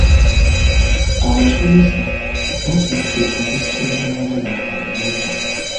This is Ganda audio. Abasomesa baatidde okusisinkana abaana mu kaabuyonjo.